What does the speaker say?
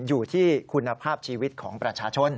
อยู่ที่คุณภาพชีวิตของประชาชน